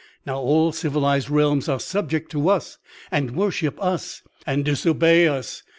Now, all civilised realms are subject to us, and worship us." "And disobey us.